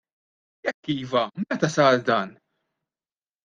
Jekk iva, meta sar dan?